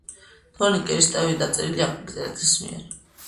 თორნიკე ერისთავი დაწერილია აკაკი წერეთლის მიერ